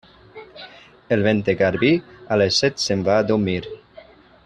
El vent de garbí, a les set se'n va a dormir.